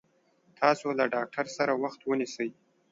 تاسو له ډاکټر سره وخت ونيسي